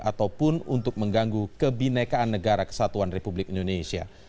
ataupun untuk mengganggu kebinekaan negara kesatuan republik indonesia